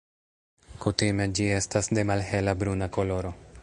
Kutime ĝi estas de malhela bruna koloro.